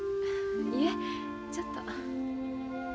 いえちょっと。